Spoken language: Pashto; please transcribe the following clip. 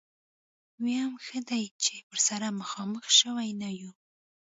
ويم ښه دی چې ورسره مخامخ شوي نه يو.